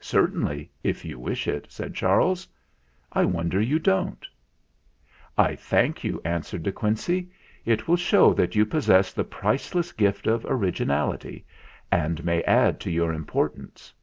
"Certainly, if you wish it," said Charles. "I wonder you don't." "I thank you," answered De Quincey. "It will show that you possess the priceless gift of originality, and may add to your importance.